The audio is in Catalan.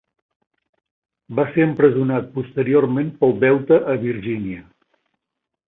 Va ser empresonat posteriorment pel deute a Virgínia.